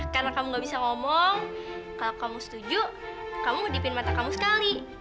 karena kamu gak bisa ngomong kalau kamu setuju kamu ngedipin mata kamu sekali